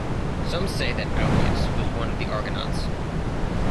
Some say that Augeas was one of the Argonauts.